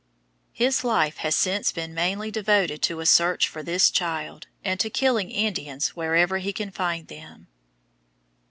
His life has since been mainly devoted to a search for this child, and to killing Indians wherever he can find them.